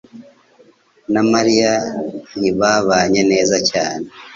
na Mariya ntibabanye neza cyane